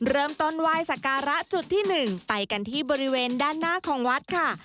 เริ่มต้นไหว้สักการะจุดที่๑ไปกันที่บริเวณด้านหน้าของวัดค่ะ